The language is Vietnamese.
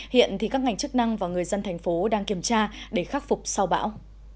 hiện thì các ngành chức năng và người dân thành phố đang kiểm tra để khắc phục sau bão